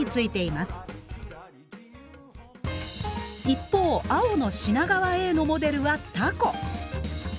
一方青の品川Ａのモデルはタコ。